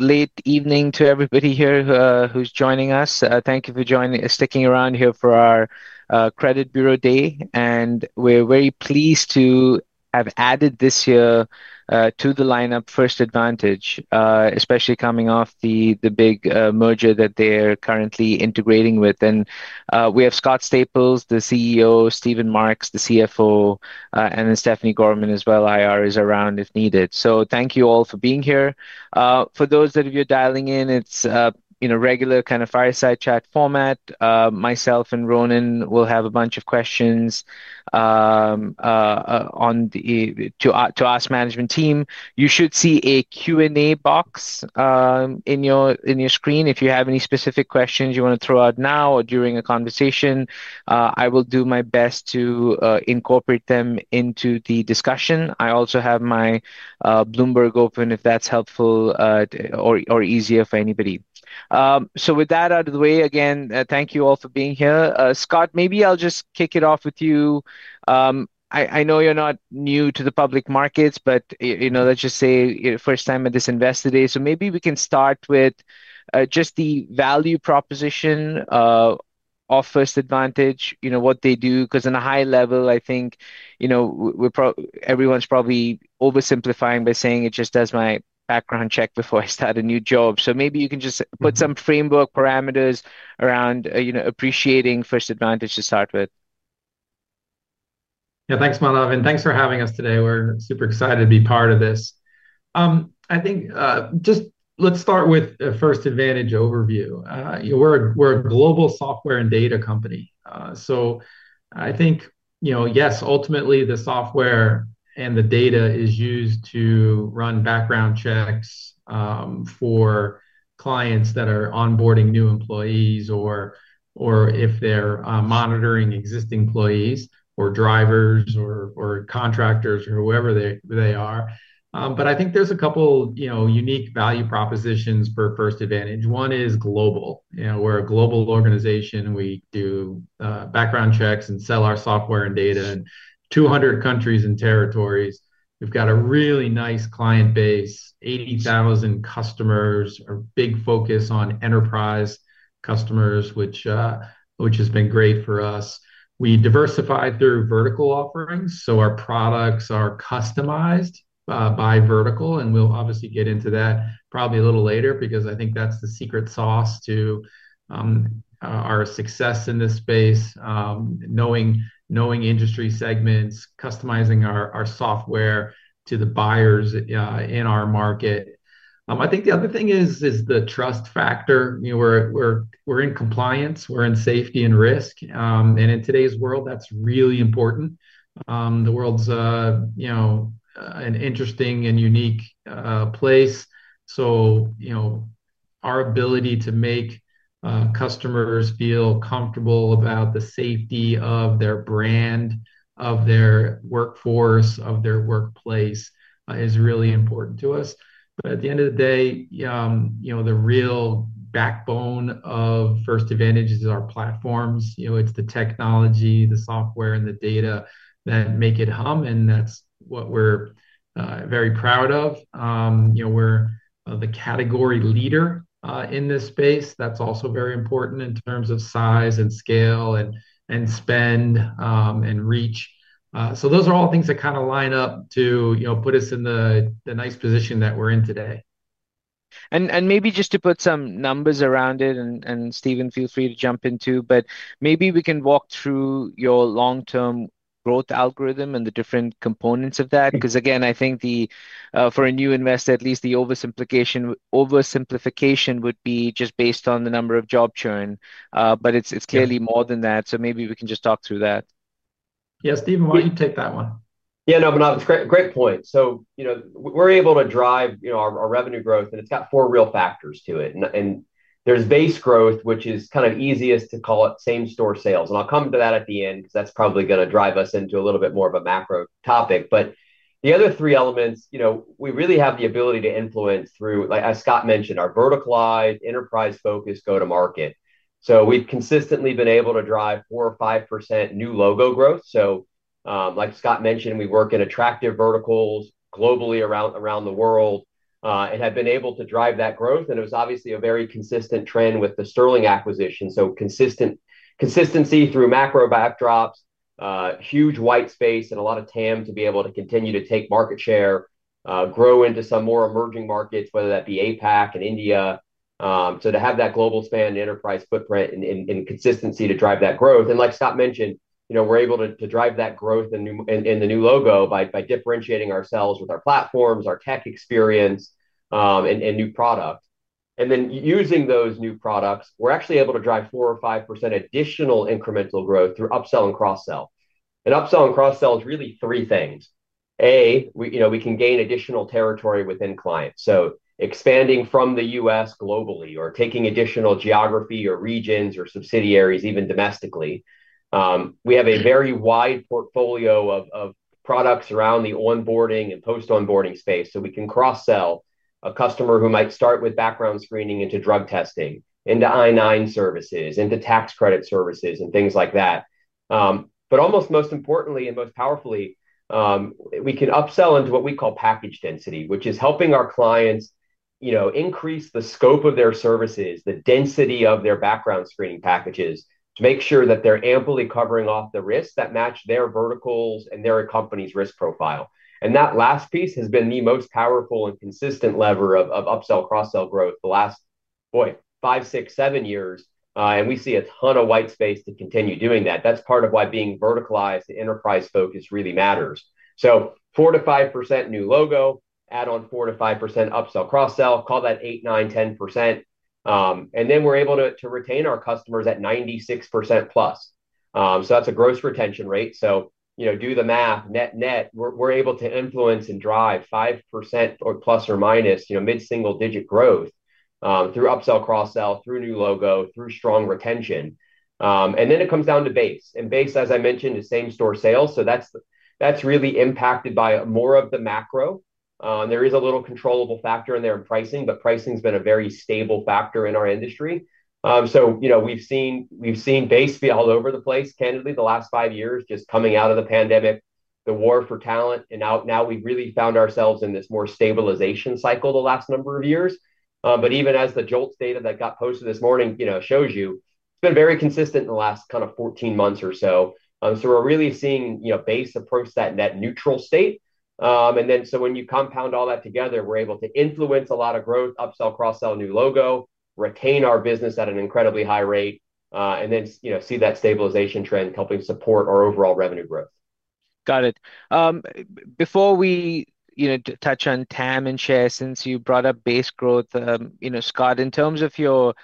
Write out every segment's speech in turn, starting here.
Late evening to everybody here who's joining us. Thank you for joining sticking around here for our Credit Bureau Day, and we're very pleased to have added this year to the lineup First Advantage, especially coming off the the big merger that they're currently integrating with. And we have Scott Staples, the CEO, Steven Marks, the CFO, and then Stephanie Gorman as well. IR is around if needed. So thank you all for being here. For those that you're dialing in, it's in a regular kind of fireside chat format. Myself and Ronan will have a bunch of questions on the to ask management team. You should see a q and a box in your in your screen. If you have any specific questions you wanna throw out now or during a conversation, I will do my best to incorporate them into the discussion. I also have my Bloomberg open if that's helpful or or easier for anybody. So with that out of the way, again, thank you all for being here. Scott, maybe I'll just kick it off with you. I I know you're not new to the public markets, but, you know, let's just say, you're first time at this Investor Day. So maybe we can start with, just the value proposition of First Advantage, you know, what they do. Because in a high level, I think, you know, we're pro everyone's probably oversimplifying by saying it just does my background check before I start a new job. So maybe you can just put some framework parameters around, you know, appreciating First Advantage to start with. Yeah. Thanks, Manav, and thanks for having us today. We're super excited to be part of this. I think just let's start with First Advantage overview. You know, we're we're a global software and data company. So I think, you know, yes, ultimately, the software and the data is used to run background checks for clients that are onboarding new employees or or if they're monitoring existing employees or drivers or or contractors or whoever they they are. But I think there's a couple, you know, unique value propositions for First Advantage. One is global. You know, we're a global organization. We do background checks and sell our software and data in 200 countries and territories. We've got a really nice client base, 80,000 customers, a big focus on enterprise customers, which which has been great for us. We diversified their vertical offerings. So our products are customized by vertical, and we'll obviously get into that probably a little later because I think that's the secret sauce to our success in this space, knowing knowing industry segments, customizing our our software to the buyers in our market. I think the other thing is is the trust factor. You know, we're we're we're in compliance. We're in safety and risk. And in today's world, that's really important. The world's, you know, an interesting and unique place. So, you know, our ability to make customers feel comfortable about the safety of their brand, of their workforce, of their workplace is really important to us. But at the end of the day, you know, the real backbone of First Advantage is our platforms. You know, it's the technology, the software, and the data that make it and that's what we're very proud of. You know, we're the category leader in this space. That's also very important in terms of size and scale and and spend and reach. So those are all things that kinda line up to, you know, put us in the the nice position that we're in today. And and maybe just to put some numbers around it, and and, Steven, feel free to jump into, but maybe we can walk through your long term growth algorithm and the different components of that. Because, again, I think the, for a new investor, at least the oversimplification oversimplification would be just based on the number of job churn, but it's it's clearly more than that. So maybe we can just talk through that. Yeah. Steven, why don't you take that one? Yeah. No. But now it's great great point. So, you know, we're able to drive, you know, our our revenue growth, and it's got four real factors to it. And and there's base growth, which is kind of easiest to call it same store sales. And I'll come to that at the end because that's probably gonna drive us into a little bit more of a macro topic. But the other three elements, you know, we really have the ability to influence through like, as Scott mentioned, our vertical line enterprise focus go to market. So we've consistently been able to drive four or 5% new logo growth. So like Scott mentioned, we work in attractive verticals globally around around the world and have been able to drive that growth, and it was obviously a very consistent trend with the Sterling acquisition. So consistent consistency through macro backdrops, huge white space, and a lot of TAM to be able to continue to take market share, grow into some more emerging markets, whether that be APAC and India. So to have that global span enterprise footprint and and and consistency to drive that growth. And like Scott mentioned, you know, we're able to to drive that growth in new in in the new logo by by differentiating ourselves with our platforms, our tech experience, and and new product. And then using those new products, we're actually able to drive four or 5% additional incremental growth through upsell and cross sell. And upsell and cross sell is really three things. A, we, you know, we can gain additional territory within clients. So expanding from The US globally or taking additional geography or regions or subsidiaries even domestically. We have a very wide portfolio of of products around the onboarding and post onboarding space. So we can cross sell a customer who might start with background screening into drug testing, into I nine services, into tax credit services, and things like that. But almost most importantly and most powerfully, we can upsell into what we call package density, which is helping our clients, you know, increase the scope of their services, the density of their background screening packages to make sure that they're amply covering off the risk that match their verticals and their company's risk profile. And that last piece has been the most powerful and consistent lever of of upsell, cross sell growth the last, boy, five, six, seven years, and we see a ton of white space to continue doing that. That's part of why being verticalized, the enterprise focus really matters. So four to 5% new logo, add on four to 5% upsell cross sell, call that eight, nine, 10%, and then we're able to to retain our customers at 96% plus. So that's a gross retention rate. So, you know, do the math. Net net, we're we're able to influence and drive 5% or plus or minus, you know, mid single digit growth through upsell, cross sell, through new logo, through strong retention. And then it comes down to base. And base, as I mentioned, is same store sales. So that's that's really impacted by more of the macro. There is a little controllable factor in their pricing, but pricing has been a very stable factor in our industry. So, you know, we've seen we've seen base be all over the place. Candidly, the last five years just coming out of the pandemic, the war for talent, and now now we've really found ourselves in this more stabilization cycle the last number of years. But even as the JOLTS data that got posted this morning, you know, shows you, it's been very consistent in the last kind of fourteen months or so. So we're really seeing, you know, base approach that net neutral state. And then so when you compound all that together, we're able to influence a lot of growth, upsell, cross sell new logo, retain our business at an incredibly high rate, and then, you know, see that stabilization trend helping support our overall revenue growth. Got it. Before we, you know, touch on TAM and share since you brought up base growth, you know, Scott, in terms of your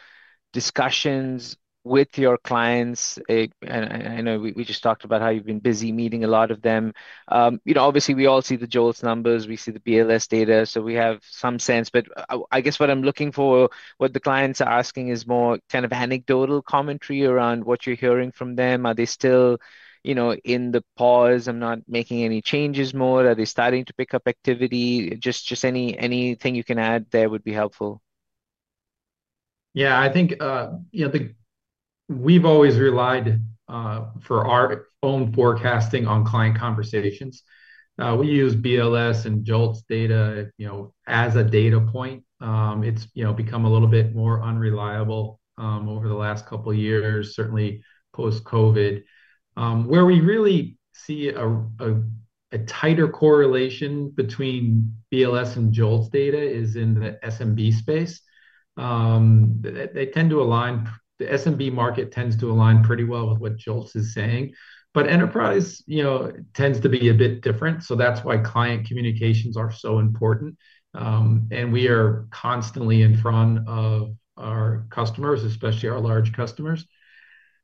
discussions with your clients, I know we we just talked about how you've been busy meeting a lot of them. You know, obviously, we all see the Joel's numbers. We see the BLS data, so we have some sense. But I guess what I'm looking for, what the clients are asking is more kind of anecdotal commentary around what you're hearing from them. Are they still, you know, in the pause and not making any changes more? Are they starting to pick up activity? Just just any anything you can add there would be helpful. Yeah. I think, you know, the we've always relied for our own forecasting on client conversations. We use BLS and JOLTS data, you know, as a data point. It's, you know, become a little bit more unreliable over the last couple years, certainly post COVID. Where we really see a a tighter correlation between BLS and Jolt's data is in the SMB space. They tend to align. The SMB market tends to align pretty well with what Jolts is saying. But enterprise, you know, tends to be a bit different, so that's why client communications are so important. And we are constantly in front of our customers, especially our large customers.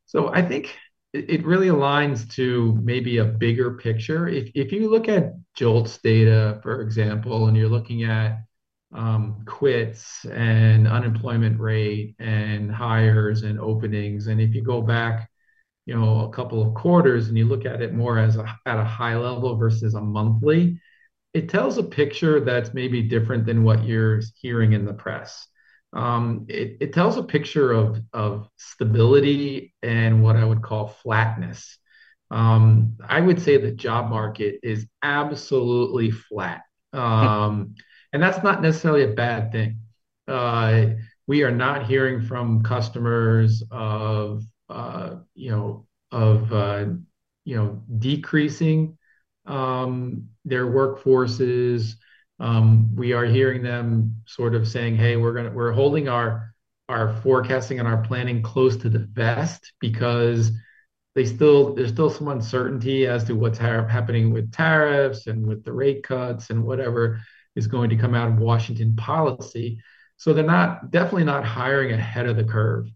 So I think it it really aligns to maybe a bigger picture. If if you look at Jolt's data, for example, and you're looking at quits and unemployment rate and hires and openings, and if you go back, you know, a couple of quarters and you look at it more as a at a high level versus a monthly, it tells a picture that's maybe different than what you're hearing in the press. It it tells a picture of of stability and what I would call flatness. I would say the job market is absolutely flat, And that's not necessarily a bad thing. We are not hearing from customers of, you know, of, you know, decreasing their workforces. We are hearing them sort of saying, hey. We're gonna we're holding our our forecasting and our planning close to the vest because they still there's still some uncertainty as to what's happening with tariffs and with the rate cuts and whatever is going to come out of Washington policy. So they're not definitely not hiring ahead of the curve.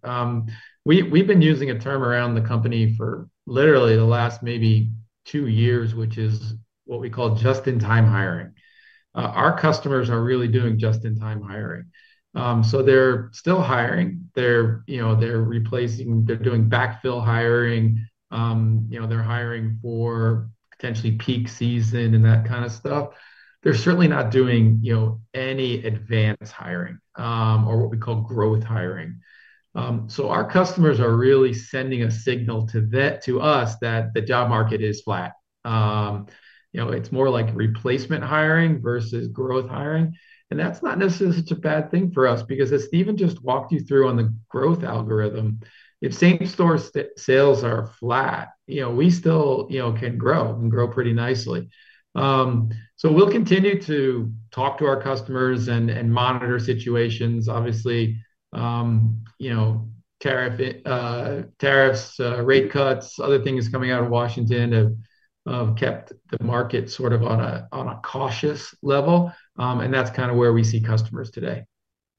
We we've been using a term around the company for literally the last maybe two years, which is what we call just in time hiring. Our customers are really doing just in time hiring. So they're still hiring. They're, you know, they're replacing they're doing backfill hiring. You know, they're hiring for potentially peak season and that kind of stuff. They're certainly not doing, you know, any advanced hiring or what we call growth hiring. So our customers are really sending a signal to that to us that the job market is flat. You know, it's more like replacement hiring versus growth hiring, and that's not necessarily such a bad thing for us because as Steven just walked you through on the growth algorithm, if same store sales are flat, you know, we still, you know, can grow and grow pretty nicely. So we'll continue to talk to our customers and and monitor situations. Obviously, you know, tariff tariffs, rate cuts, other things coming out of Washington have kept the market sort of on a on a cautious level, and that's kinda where we see customers today.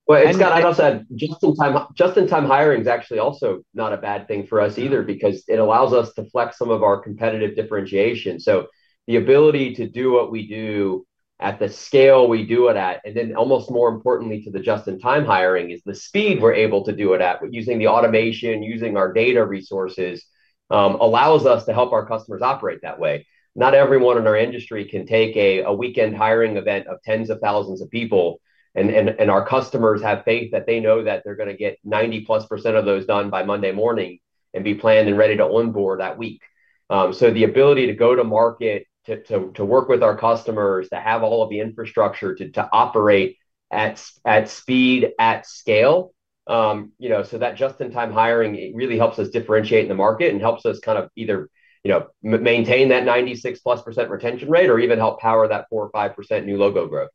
Well, Scott, I also had just in time just in time hiring is actually also not a bad thing for us either because it allows us to flex some of our competitive differentiation. So the ability to do what we do at the scale we do it at, and then almost more importantly to the just in time hiring is the speed we're able to do it at with using the automation, using our data resources, allows us to help our customers operate that way. Not everyone in our industry can take a a weekend hiring event of tens of thousands of people, and and and our customers have faith that they know that they're gonna get 90 plus percent of those done by Monday morning and be planned and ready to onboard that week. So the ability to go to market, to to to work with our customers, to have all of the infrastructure, to to operate at at speed, at scale, you know, so that just in time hiring really helps us differentiate the market and helps us kind of either, you know, maintain that 96 plus percent retention rate or even help power that four or 5% new logo growth.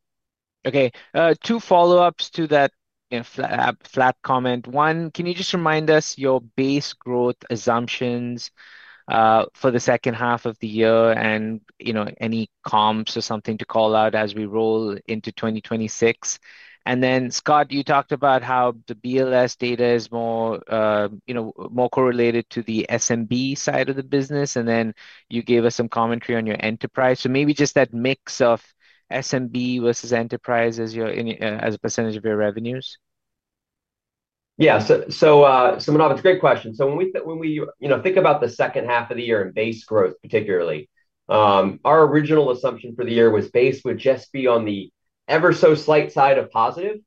Okay. Two follow ups to that flat comment. One, can you just remind us your base growth assumptions for the second half of the year and, you know, any comps or something to call out as we roll into 2026? And then, Scott, you talked about how the BLS data is more, you know, more correlated to the SMB side of the business, and then you gave us some commentary on your enterprise. So maybe just that mix of SMB versus enterprise as your any as a percentage of your revenues? Yeah. So so, Manav, it's a great question. So when we when we, you know, think about the second half of the year and base growth, our original assumption for the year was base would just be on the ever so slight side of positive.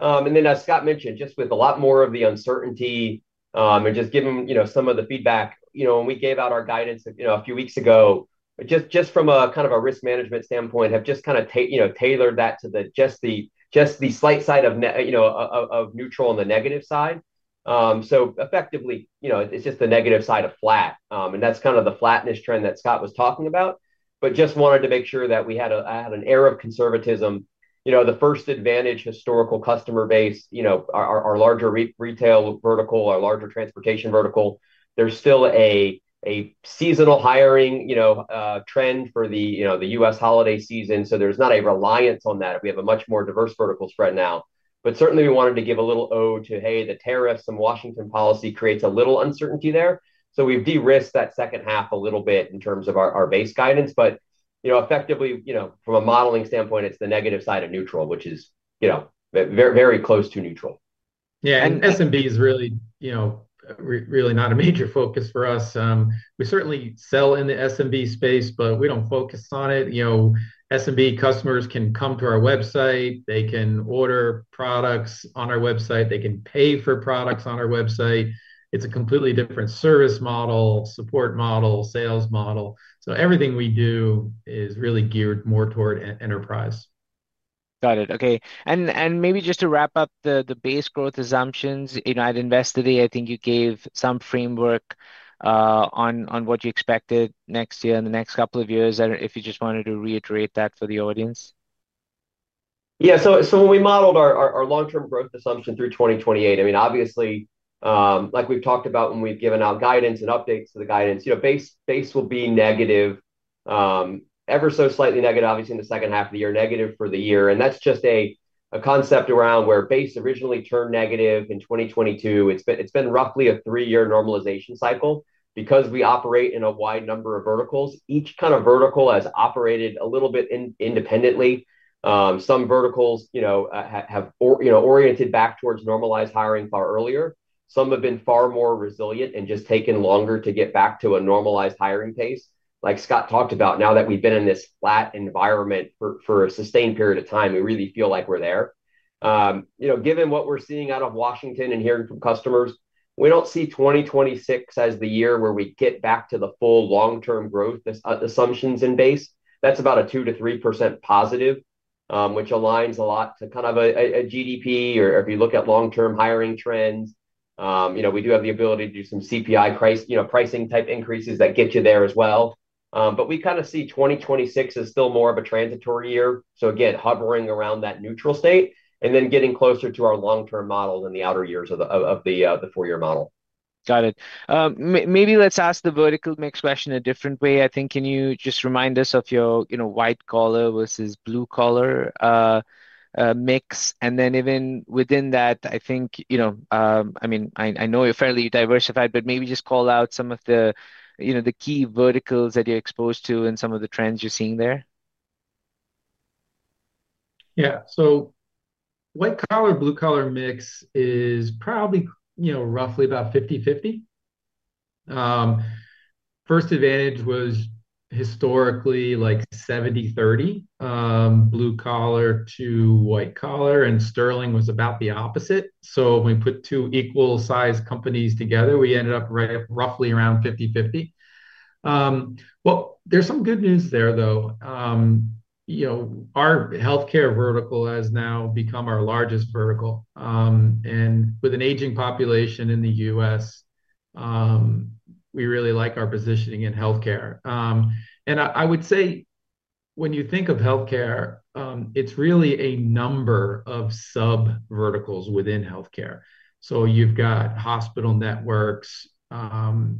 And then as Scott mentioned, just with a lot more of the uncertainty and just give them, you know, some of the feedback, you know, when we gave out our guidance, you know, a few weeks ago, just just from a kind of a risk management standpoint, have just kinda take you know, tailored that to the just the just the slight side of, you know, of of neutral on the negative side. So, effectively, you know, it's just the negative side of flat, and that's kind of the flatness trend that Scott was talking about. But just wanted to make sure that we had a I had an air of conservatism. You know, the first advantage historical customer base, you know, our our our larger re retail vertical, our larger transportation vertical, there's still a a seasonal hiring, you know, trend for the, you know, The US holiday season. So there's not a reliance on that. We have a much more diverse verticals right now. But, certainly, we wanted to give a little ode to, hey. The tariffs and Washington policy creates a little uncertainty there. So we've derisked that second half a little bit in terms of our our base guidance. But, you know, effectively, you know, from a modeling standpoint, it's the negative side of neutral, which is, you know, very close to neutral. Yeah. And SMB is really, you know, really not a major focus for us. We certainly sell in the SMB space, but we don't focus on it. You know, SMB customers can come to our website. They can order products on our website. They can pay for products on our website. It's a completely different service model, support model, sales model. So everything we do is really geared more toward enterprise. Got it. Okay. And and maybe just to wrap up the the base growth assumptions, you know, at Investor Day, I think you gave some framework on on what you expected next year and the next couple of years. I don't know if you just wanted to reiterate that for the audience. Yeah. So so when we modeled our our our long term growth assumption through 2028, I mean, obviously, like we've talked about when we've given out guidance and updates to the guidance, you know, base base will be negative, ever so slightly negative, obviously, in the second half of the year, negative for the year. And that's just a a concept around where base originally turned negative in 2022. It's been it's been roughly a three year normalization cycle because we operate in a wide number of verticals. Each kind of vertical has operated a little bit in independently. Some verticals, you know, have, you know, oriented back towards normalized hiring far earlier. Some have been far more resilient and just taken longer to get back to a normalized hiring pace. Like Scott talked about, now that we've been in this flat environment for for a sustained period of time, we really feel like we're there. You know, given what we're seeing out of Washington and hearing from customers, we don't see 2026 as the year where we get back to the full long term growth assumptions in base. That's about a two to 3% positive, which aligns a lot to kind of a a a GDP or if you look at long term hiring trends. You know, we do have the ability to do some CPI price you know, pricing type increases that get you there as well. But we kinda see 2026 as still more of a transitory year. So, again, hovering around that neutral state and then getting closer to our long term model than the outer years of the of the the four year model. Got it. Maybe let's ask the vertical mix question a different way. I think can you just remind us of your, you know, white collar versus blue collar, mix? And then even within that, I think, you know, I mean, I I know you're fairly diversified, but maybe just call out some of the, you know, the key verticals that you're exposed to and some of the trends you're seeing there. Yeah. So white collar, blue collar mix is probably, you know, roughly about fifty fifty. First advantage was historically, like, seventy thirty blue collar to white collar, and Sterling was about the opposite. So when we put two equal sized companies together, we ended up right at roughly around fifty fifty. Well, there's some good news there, though. You know, our health care vertical has now become our largest vertical. And with an aging population in The US, we really like our positioning in health care. And I I would say when you think of health care, it's really a number of subverticals within health care. So you've got hospital networks.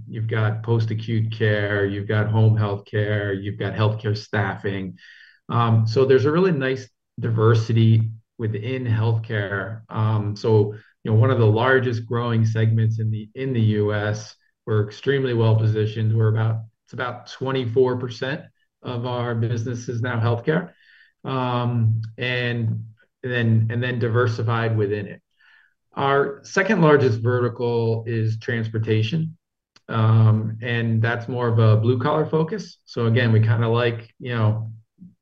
You've got post acute care. You've got home health care. You've got health care staffing. So there's a really nice diversity within health care. So, you know, one of the largest growing segments in the in The US, we're extremely well positioned. We're about it's about 24% of our business is now health care, and then and then diversified within it. Our second largest vertical is transportation, and that's more of a blue collar focus. So, again, we kinda like, you know,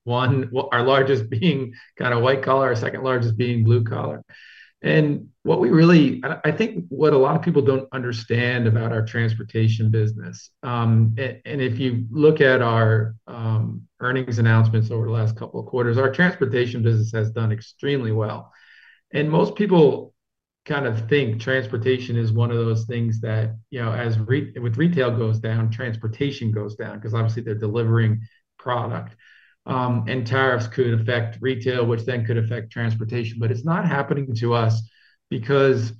one our largest being kinda white collar, second largest being blue collar. And what we really I think what a lot of people don't understand about our transportation business, if you look at our earnings announcements over the last couple of quarters, our transportation business has done extremely well. And most people kind of think transportation is one of those things that, you know, as re with retail goes down, transportation goes down because, obviously, they're delivering product. And tariffs could affect retail, which then could affect transportation, but it's not happening to us because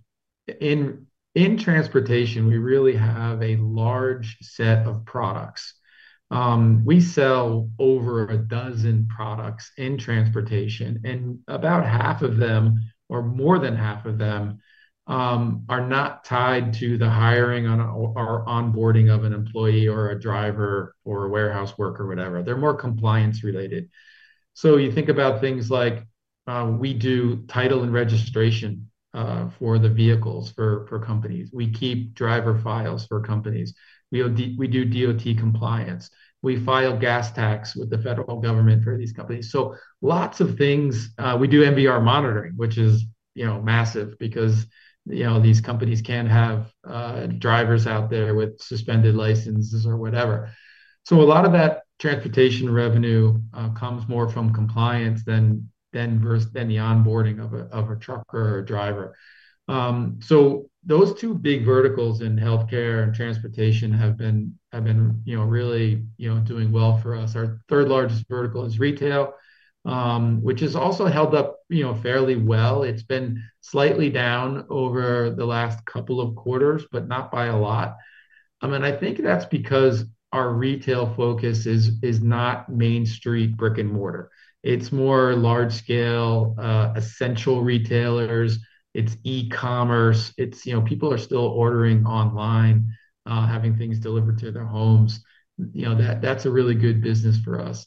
in in transportation, we really have a large set of products. We sell over a dozen products in transportation, and about half of them or more than half of them are not tied to the hiring on onboarding of an employee or a driver or a warehouse worker or whatever. They're more compliance related. So you think about things like we do title and registration for the vehicles for for companies. We keep driver files for companies. We o d we do DOT compliance. We file gas tax with the federal government for these companies. So lots of things. We do MBR monitoring, which is, you know, massive because, you know, these companies can have drivers out there with suspended licenses or whatever. So a lot of that transportation revenue comes more from compliance than than than the onboarding of a of a trucker or driver. So those two big verticals in health care and transportation have been have been, you know, really, you know, doing well for us. Our third largest vertical is retail, which has also held up, you know, fairly well. It's been slightly down over the last couple of quarters, but not by a lot. I mean, I think that's because our retail focus is is not main street brick and mortar. It's more large scale essential retailers. It's ecommerce. It's you know, people are still ordering online, having things delivered to their homes. You know, that that's a really good business for us.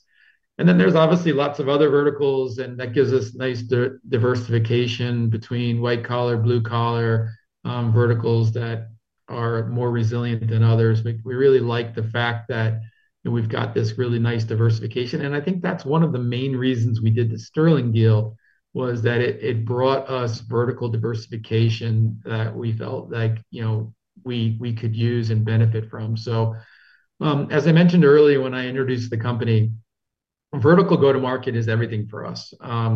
And then there's obviously lots of other verticals, and that gives us nice diversification between white collar, blue collar verticals that are more resilient than others. We we really like the fact that we've got this really nice diversification, and I think that's one of the main reasons we did the Sterling deal was that it it brought us vertical diversification that we felt like, you know, we we could use and benefit from. So as I mentioned earlier when I introduced the company, vertical go to market is everything for us.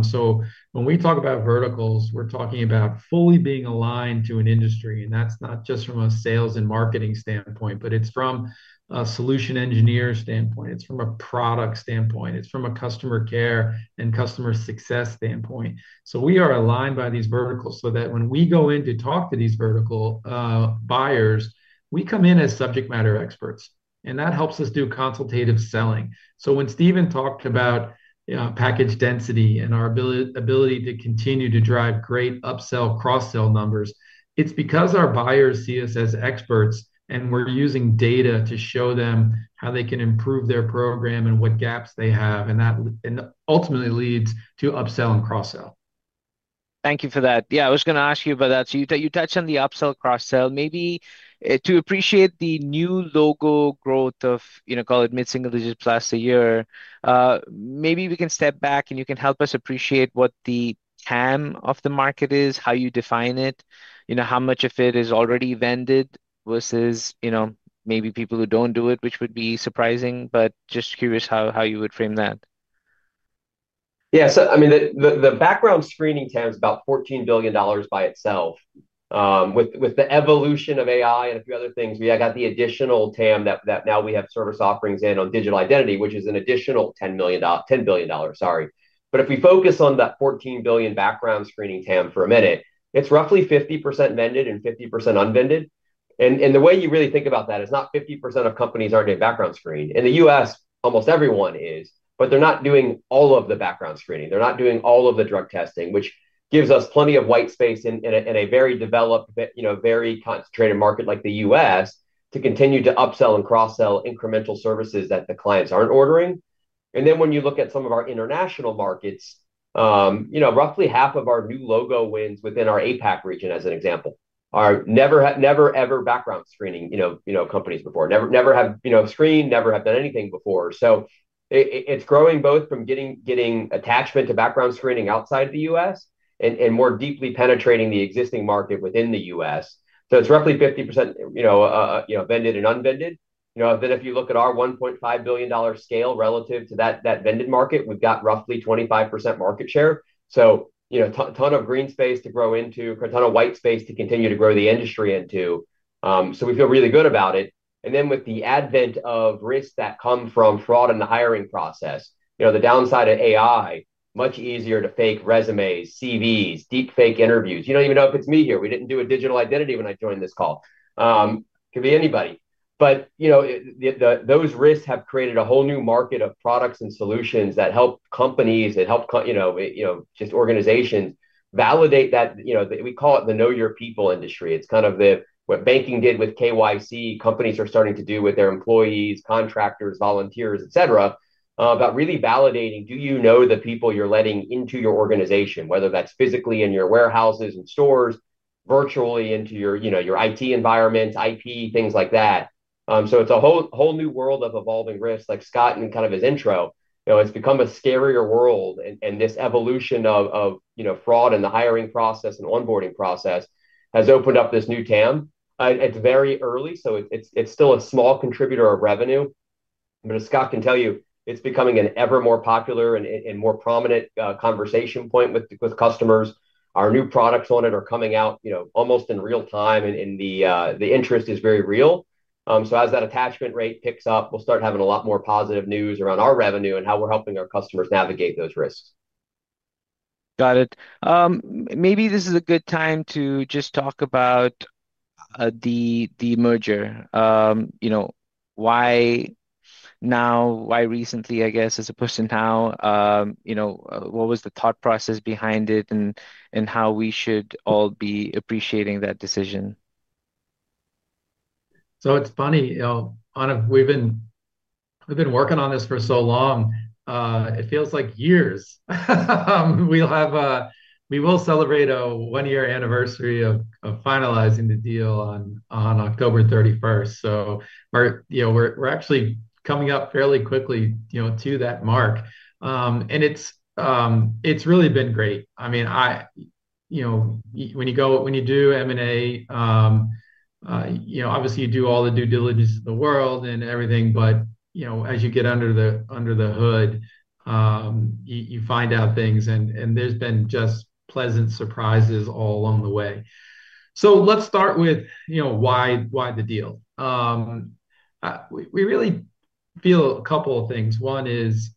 So when we talk about verticals, we're talking about fully being aligned to an industry, and that's not just from a sales and marketing standpoint, but it's from a solution engineer standpoint. It's from a product standpoint. It's from a customer care and customer success standpoint. So we are aligned by these verticals so that when we go in to talk to these vertical buyers, we come in as subject matter experts, and that helps us do consultative selling. So when Steven talked about, you know, package density and our ability to continue to drive great upsell, cross sell numbers, it's because our buyers see us as experts, and we're using data to show them how they can improve their program and what gaps they have, and that and ultimately leads to upsell and cross sell. Thank you for that. Yeah. I was gonna ask you about that. So you you touched on the upsell cross sell. Maybe to appreciate the new logo growth of, you know, call it mid single digit plus a year, maybe we can step back and you can help us appreciate what the TAM of the market is, how you define it, you know, how much of it is already vended versus, you know, maybe people who don't do it, which would be surprising, but just curious how how you would frame that. Yeah. So, I mean, the the the background screening tab is about $14,000,000,000 by itself. With with the evolution of AI and a few other things, we got the additional TAM that that now we have service offerings in on digital identity, which is an additional $10,000,000 $10,000,000,000. Sorry. But if we focus on that 14,000,000,000 background screening TAM for a minute, it's roughly 50% vended and 50% un vended. And and the way you really think about that is not 50% of companies are getting background screen. In The US, almost everyone is, but they're not doing all of the background screening. They're not doing all of the drug testing, which gives us plenty of white space in in a in a very developed, you know, very concentrated market like The US to continue to upsell and cross sell incremental services that the clients aren't ordering. And then when you look at some of our international markets, you know, roughly half of our new logo wins within our APAC region as an example are never never ever background screening, you know you know, companies before. Never never have, you know, screen, never have done anything before. So it's growing both from getting getting attachment to background screening outside The US and and more deeply penetrating the existing market within The US. So it's roughly 50%, you know, you know, vended and unbended. You know? But if you look at our $1,500,000,000 scale relative to that that bended market, we've got roughly 25% market share. So, you know, ton of green space to grow into, a ton of white space to continue to grow the industry into. So we feel really good about it. And then with the advent of risk that come from fraud in the hiring process, you know, the downside of AI, much easier to fake resumes, CVs, deep fake interviews. You don't even know if it's me here. We didn't do a digital identity when I joined this call. Could be anybody. But, you know, the the those risks have created a whole new market of products and solutions that help companies, that help, you know, you know, just organizations validate that you know, we call it the know your people industry. It's kind of the what banking did with KYC companies are starting to do with their employees, contractors, volunteers, etcetera, about really validating. Do you know the people you're letting into your organization, whether that's physically in your warehouses and stores, virtually into your, you know, your IT environment, IP, things like that. So it's a whole whole new world of evolving risk like Scott in kind of his intro. You know, it's become a scarier world, and and this evolution of of, you know, fraud in the hiring process and onboarding process has opened up this new TAM. I it's very early, so it's it's it's still a small contributor of revenue. I mean, as Scott can tell you, it's becoming an ever more popular and and more prominent conversation point with with customers. Our new products on it are coming out, you know, almost in real time, and and the, the interest is very real. So as that attachment rate picks up, we'll start having a lot more positive news around our revenue and how we're helping our customers navigate those risks. Got it. Maybe this is a good time to just talk about the demerger. You know, why now why recently, I guess, as opposed to now? You know, what was the thought process behind it, and and how we should all be appreciating that decision? So it's funny. You know, Anup, we've been we've been working on this for so long. It feels like years. We'll have a we will celebrate a one year anniversary of of finalizing the deal on on October 31. So we're, you know, we're we're actually coming up fairly quickly, you know, to that mark. And it's it's really been great. I mean, I you know, when you go when you do m and a, you know, obviously, you do all the due diligence in the world and everything, but, you know, as you get under the under the hood, you you find out things, and and there's been just pleasant surprises all along the way. So let's start with, you know, why why the deal? We we really feel a couple of things. One is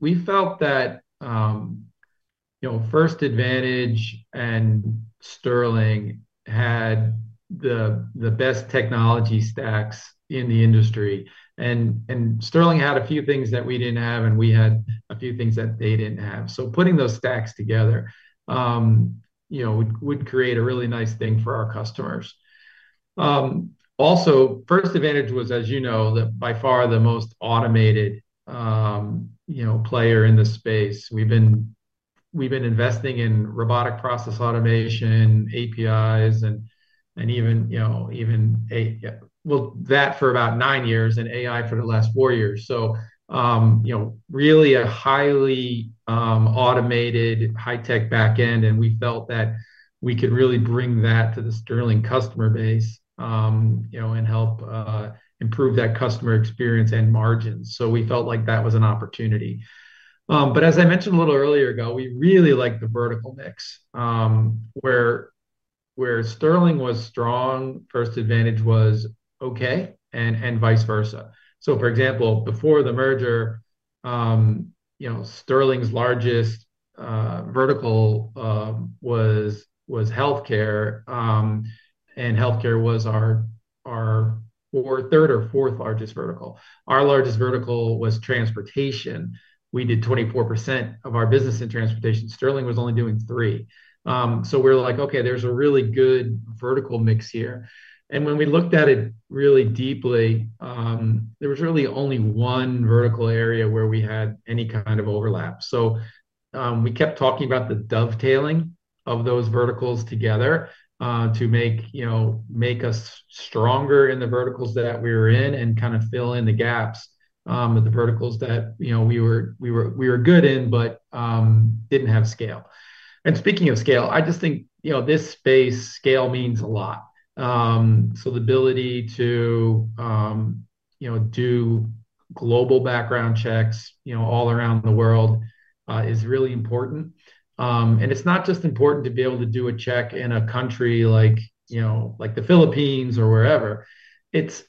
we felt that, you know, First Advantage and Sterling had the the best technology stacks in the industry. And and Sterling had a few things that we didn't have, and we had a few things that they didn't have. So putting those stacks together, you know, would would create a really nice thing for our customers. Also, first advantage was, as you know, that by far the most automated, you know, player in the space. We've been we've been investing in robotic process automation, APIs, and and even, you know, even a well, that for about nine years and AI for the last four years. So, you know, really a highly automated, high-tech back end, and we felt that we could really bring that to the Sterling customer base, you know, and help improve that customer experience and margins. So we felt like that was an opportunity. But as I mentioned a little earlier ago, we really like the vertical mix. Where where Sterling was strong, first advantage was okay and and vice versa. So for example, before the merger, you know, Sterling's largest vertical was was health care, and health care was our our or third or fourth largest vertical. Our largest vertical was transportation. We did 24% of our business in transportation. Sterling was only doing three. So we're like, okay. There's a really good vertical mix here. And when we looked at it really deeply, there was really only one vertical area where we had any kind of overlap. So we kept talking about the dovetailing of those verticals together to make, you know, make us stronger in the verticals that we're in and kinda fill in the gaps with the verticals that, you know, we were we were we were good in but didn't have scale. And speaking of scale, I just think, you know, this space scale means a lot. So the ability to, you know, do global background checks, you know, all around the world is really important. And it's not just important to be able to do a check-in a country like, you know, like The Philippines or wherever. It's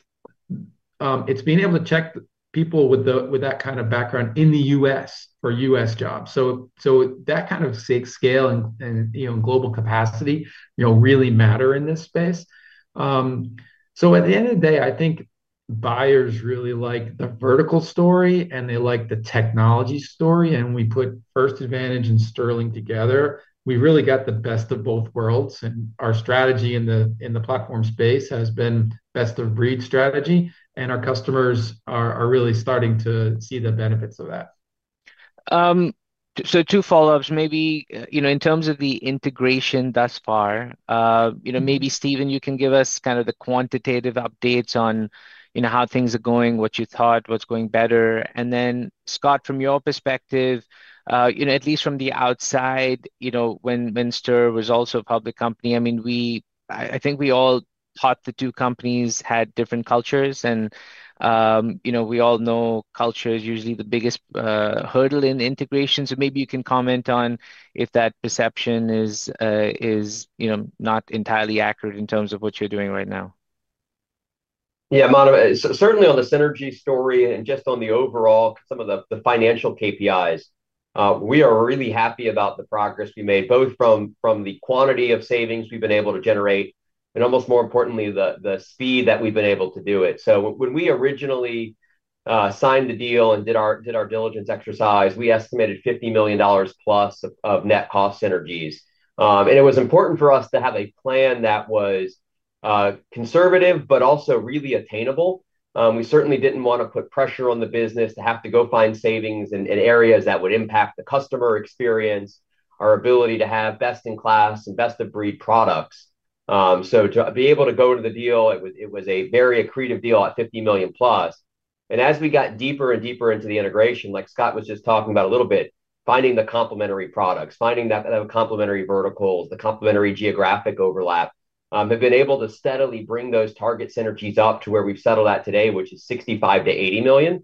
it's being able to check people with the with that kind of background in The US for US jobs. So so that kind of scale and and, you know, global capacity, you know, really matter in this space. So at the end of the day, I think buyers really like the vertical story, and they like the technology story. And we put First Advantage and Sterling together, we really got the best of both worlds. And our strategy in the in the platform space has been best of breed strategy, and our customers are are really starting to see the benefits of that. So two follow ups. Maybe, you know, in terms of the integration thus far, you know, maybe, Steven, you can give us kind of the quantitative updates on, you know, how things are going, what you thought, what's going better. And then, Scott, from your perspective, you know, at least from the outside, you know, when when Stern was also a public company, I mean, we I I think we all thought the two companies had different cultures, and, you know, we all know culture is usually the biggest, hurdle in integrations. So maybe you can comment on if that perception is, is, you know, not entirely accurate in terms of what you're doing right now. Yeah, Manav. Certainly, on the synergy story and just on the overall, some of the the financial KPIs, we are really happy about the progress we made both from from the quantity of savings we've been able to generate and, almost more importantly, the the speed that we've been able to do it. So when we originally signed the deal and did our did our diligence exercise, we estimated $50,000,000 plus of of net cost synergies. And it was important for us to have a plan that was conservative, but also really attainable. We certainly didn't wanna put pressure on the business to have to go find savings in in areas that would impact the customer experience, our ability to have best in class and best of breed products. So to be able to go to the deal, it was it was a very accretive deal at 50,000,000 plus. And as we got deeper and deeper into the integration, like Scott was just talking about a little bit, finding the complementary products, finding that that have complementary verticals, the complementary geographic overlap, They've been able to steadily bring those target synergies up to where we've settled at today, which is 65 to 80,000,000.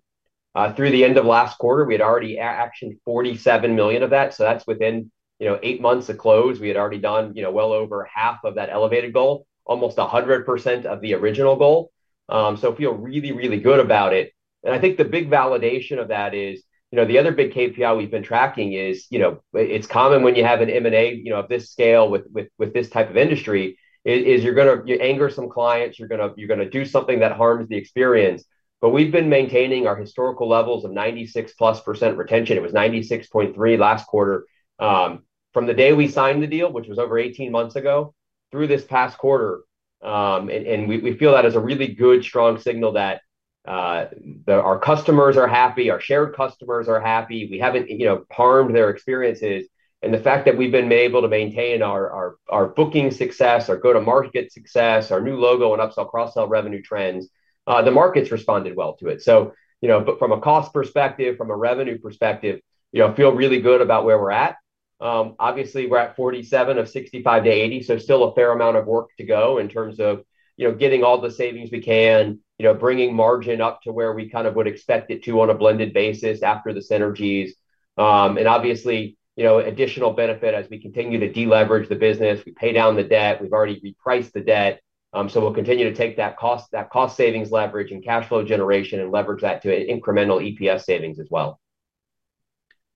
Through the end of last quarter, we had already actioned 47,000,000 of that. So that's within, you know, eight months of close. We had already done, you know, well over half of that elevated goal, almost a 100% of the original goal. So I feel really, really good about it. And I think the big validation of that is, you know, the other big KPI we've been tracking is, you know, it's common when you have an m and a, you know, of this scale with with with this type of industry is you're gonna you anger some clients. You're gonna you're gonna do something that harms the experience. But we've been maintaining our historical levels of 96 plus percent retention. It was 96.3 last quarter. From the day we signed the deal, which was over eighteen months ago, through this past quarter, and and we we feel that is a really good strong signal that that our customers are happy, our shared customers are happy. We haven't, you know, harmed their experiences. And the fact that we've been able to maintain our our our booking success, our go to market success, our new logo and upsell cross sell revenue trends, the market's responded well to it. So, you know, but from a cost perspective, from a revenue perspective, you know, feel really good about where we're at. Obviously, we're at 47 of 65 to 80, so still a fair amount of work to go in terms of, you know, getting all the savings we can, you know, bringing margin up to where we kind of would expect it to on a blended basis after the synergies. And, obviously, you know, additional benefit as we continue to deleverage the business, we pay down the debt. We've already repriced the debt. So we'll continue to take that cost that cost savings leverage and cash flow generation and leverage that to incremental EPS savings as well.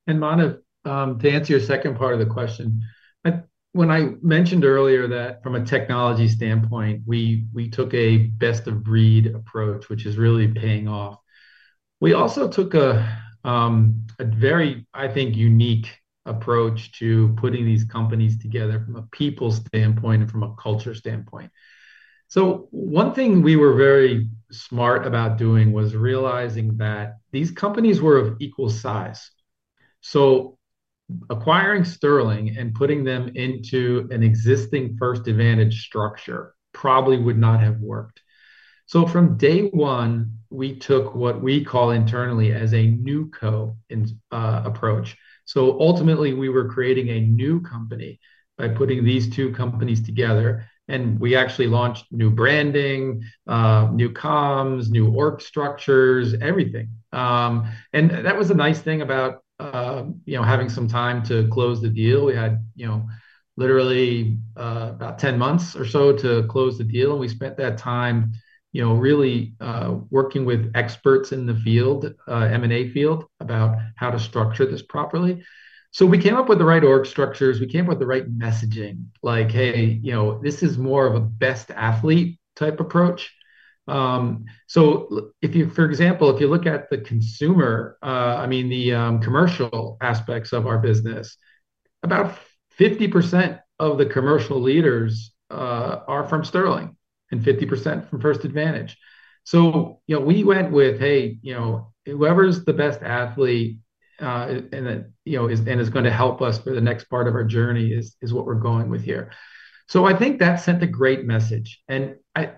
And, Manav, to answer your second part of the question, when I mentioned earlier that from a technology standpoint, we we took a best of breed approach, which is really paying off. We also took a a very, I think, unique approach to putting these companies together from a people standpoint and from a culture standpoint. So one thing we were very smart about doing was realizing that these companies were of equal size. So acquiring Sterling and putting them into an existing First Advantage structure probably would not have worked. So from day one, we took what we call internally as a new co in approach. So, ultimately, we were creating a new company by putting these two companies together, and we actually launched new branding, new comms, new org structures, everything. And that was a nice thing about, you know, having some time to close the deal. We had, you know, literally about ten months or so to close the deal, and we spent that time, you know, really working with experts in the field, m and a field, about how to structure this properly. So we came up with the right org structures. We came up with the right messaging. Like, hey. You know, this is more of a best athlete type approach. So if you for example, if you look at the consumer I mean, the commercial aspects of our business, about 50% of the commercial leaders are from Sterling and 50% from First Advantage. So, you know, we went with, hey. You know, whoever's the best athlete and then, you know, is and is gonna help us for the next part of our journey is is what we're going with here. So I think that sent a great message. And I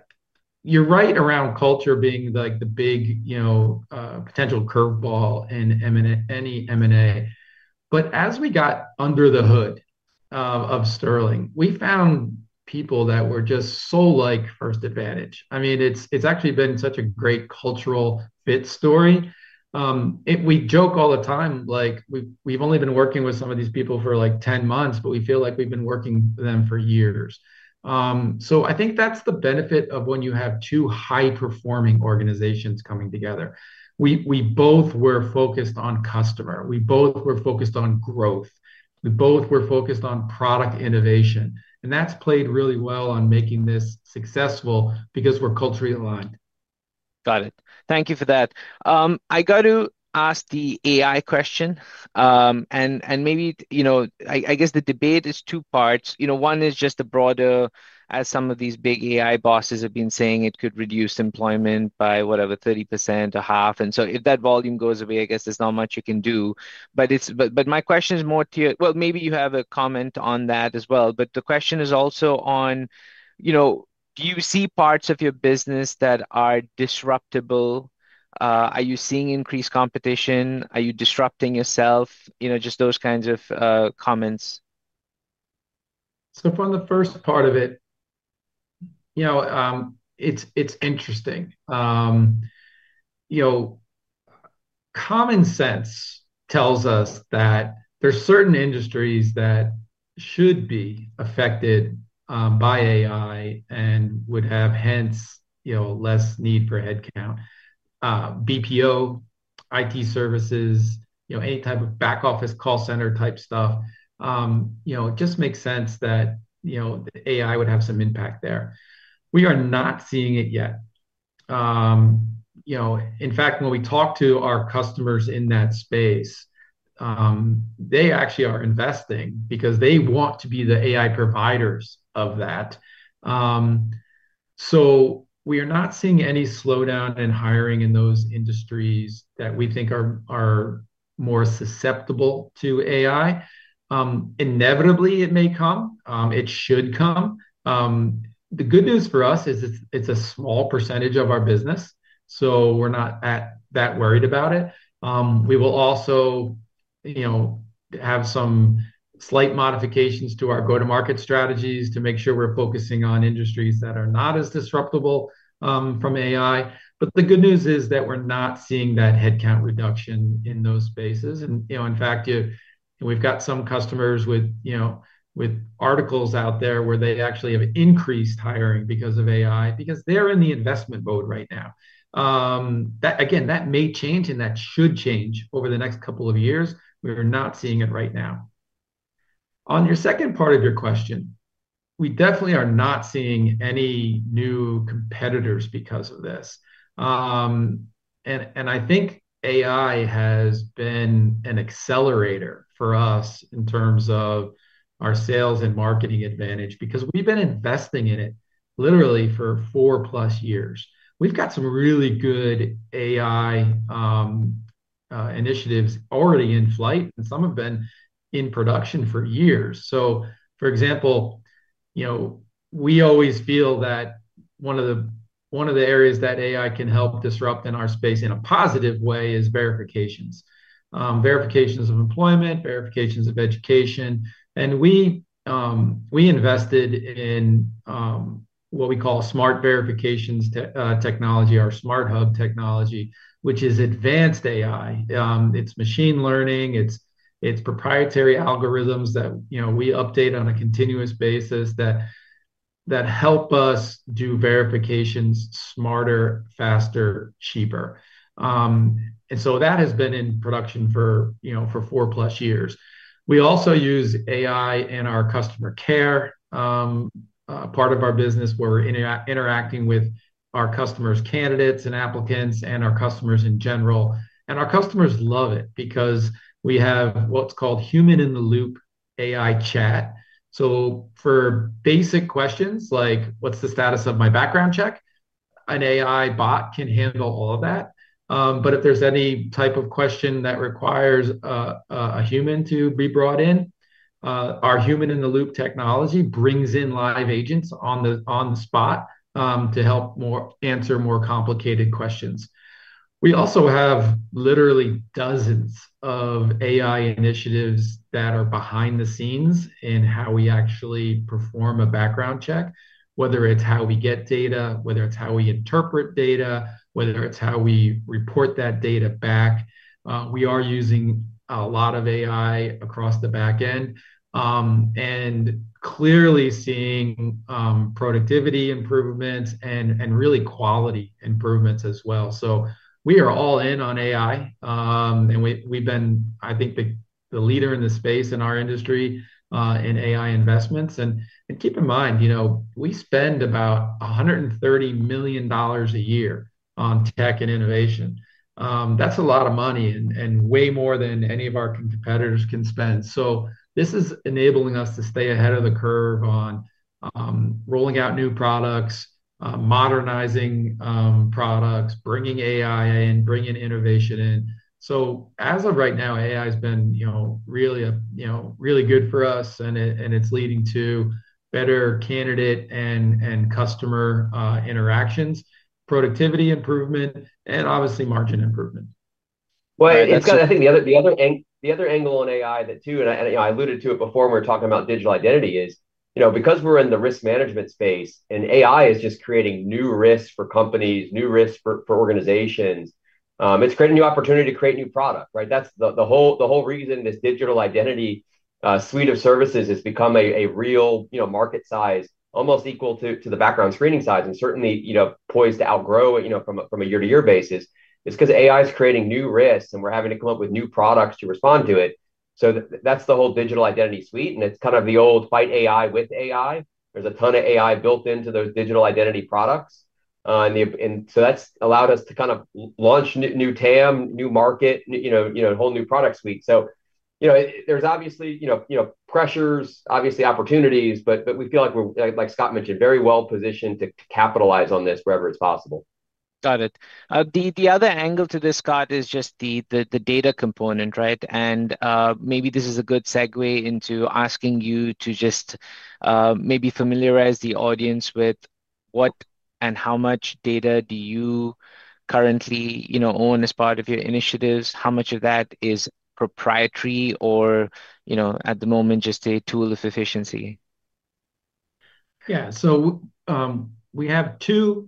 you're right around culture being, like, the big, you know, potential curveball in m and a any m and a. But as we got under the hood of Sterling, we found people that were just so like first advantage. I mean, it's it's actually been such a great cultural fit story. It we joke all the time. Like, we've we've only been working with some of these people for, like, ten months, but we feel like we've been working with them for years. So I think that's the benefit of when you have two high performing organizations coming together. We we both were focused on customer. We both were focused on growth. We both were focused on product innovation, and that's played really well on making this successful because we're culturally aligned. Got it. Thank you for that. I got to ask the AI question. And and maybe, you know, I I guess the debate is two parts. You know, one is just a broader as some of these big AI bosses have been saying, it could reduce employment by whatever 30% or half. And so if that volume goes away, I guess there's not much you can do. But it's but but my question is more to your well, maybe you have a comment on that as well. But the question is also on, you know, do you see parts of your business that are disruptable? Are you seeing increased competition? Are you disrupting yourself? You know, just those kinds of, comments. So from the first part of it, you know, it's it's interesting. You know, common sense tells us that there's certain industries that should be affected by AI and would have, hence, you know, less need for headcount. BPO, IT services, you know, any type of back office call center type stuff, you know, it just makes sense that, you know, AI would have some impact there. We are not seeing it yet. You know, in fact, when we talk to our customers in that space, they actually are investing because they want to be the AI providers of that. So we are not seeing any slowdown in hiring in those industries that we think are are more susceptible to AI. Inevitably, it may come. It should come. The good news for us is it's it's a small percentage of our business, so we're not at that worried about it. We will also, you know, have some slight modifications to our go to market strategies to make sure we're focusing on industries that are not as disruptible from AI. But the good news is that we're not seeing that headcount reduction in those spaces. And, you know, in fact, you we've got some customers with, you know, with articles out there where they actually have increased hiring because of AI because they're in the investment mode right now. That again, that may change and that should change over the next couple of years. We are not seeing it right now. On your second part of your question, we definitely are not seeing any new competitors because of this. And and I think AI has been an accelerator for us in terms of our sales and marketing advantage because we've been investing in it literally for four plus years. We've got some really good AI initiatives already in flight, and some have been in production for years. So, for example, you know, we always feel that one of the one of the areas that AI can help disrupt in our space in a positive way is verifications. Verifications of employment, verifications of education, and we we invested in what we call smart verifications technology or smart hub technology, which is advanced AI. It's machine learning. It's it's proprietary algorithms that, you know, we update on a continuous basis that that help us do verifications smarter, faster, cheaper. So And that has been in production for, you know, for four plus years. We also use AI in our customer care part of our business where we're interacting with our customers' candidates and applicants and our customers in general. And our customers love it because we have what's called human in the loop AI chat. So for basic questions, like, what's the status of my background check? An AI bot can handle all of that. But if there's any type of question that requires a human to be brought in, our human in the loop technology brings in live agents on the on the spot to help more answer more complicated questions. We also have literally dozens of AI initiatives that are behind the scenes in how we actually perform a background check, whether it's how we get data, whether it's how we interpret data, whether it's how we report that data back. We are using a lot of AI across the back end and clearly seeing productivity improvements and and really quality improvements as well. So we are all in on AI, and we we've been, I think, the the leader in the space in our industry in AI investments. And and keep in mind, you know, we spend about a $130,000,000 a year on tech and innovation. That's a lot of money and and way more than any of our competitors can spend. So this is enabling us to stay ahead of the curve on rolling out new products, modernizing products, bringing AI in, bringing innovation in. So as of right now, AI has been, you know, really, you know, really good for us, and it and it's leading to better candidate and and customer interactions, productivity improvement, and, obviously, margin improvement. Well, it's got think the other the other the other angle on AI that too I and, you I alluded to it before we're talking about digital identity is, know, because we're in the risk management space and AI is just creating new risk for companies, new risk for for organizations, it's creating new opportunity to create new product. Right? That's the the whole the whole reason this digital identity suite of services has become a a real, you know, market size, almost equal to to the background screening size and certainly, you know, poised to outgrow it, you know, from a from a year to year basis. It's because AI is creating new risks, and we're having to come up with new products to respond to it. So that's the whole digital identity suite, and it's kind of the old fight AI with AI. There's a ton of AI built into those digital identity products. And and so that's allowed us to kind of launch new TAM, new market, you know, you know, whole new product suite. So, know, there's obviously, you know you know, pressures, obviously, opportunities, but but we feel like we're like like Scott mentioned, very well positioned to capitalize on this wherever it's possible. Got it. The the other angle to this, Scott, is just the the the data component. Right? And, maybe this is a good segue into asking you to just, maybe familiarize the audience with what and how much data do you currently, you know, own as part of your initiatives? How much of that is proprietary or, you know, at the moment, a tool of efficiency? Yeah. So we have two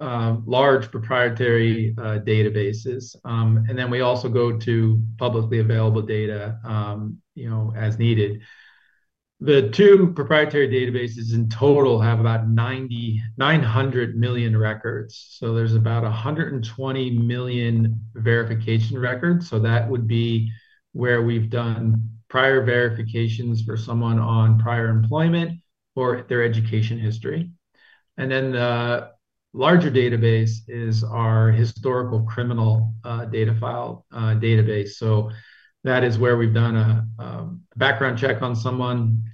large proprietary databases, and then we also go to publicly available data, you know, as needed. The two proprietary databases in total have about 90 900,000,000 records. So there's about a 120,000,000 verification records. So that would be where we've done prior verifications for someone on prior employment or their education history. And then the larger database is our historical criminal data file database. So that is where we've done a background check on someone.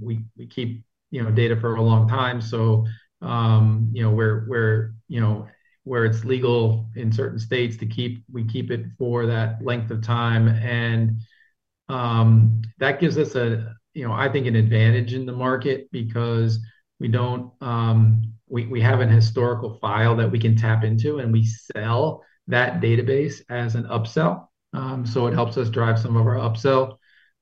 We we keep, you know, data for a long time. So, you know, we're we're, you know, where it's legal in certain states to keep we keep it for that length of time. And that gives us a, you know, I think, an advantage in the market because we don't we we have an historical file that we can tap into, and we sell that database as an upsell. So it helps us drive some of our upsell